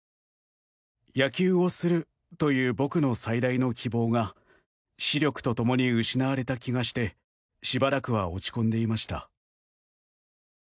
野球をするという僕の最大の希望が視力とともに失われた気がしてしばらくは落ち込んでいました。